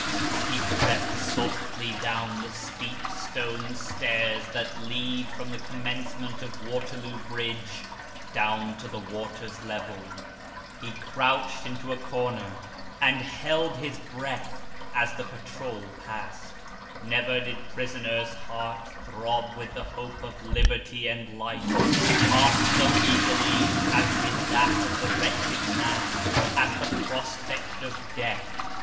He crept softly down the steep stone stairs that lead from the com mencement of Waterloo Bridge, down to the water's level. Ho crouched into a corner, and held his breath, as the patrol passed. Never did prisoner's heart throb with the hope of liberty and life half so eagerly as did that of the wretched man at the prospect of death.